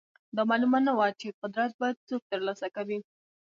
دا معلومه نه وه چې قدرت به څوک ترلاسه کوي.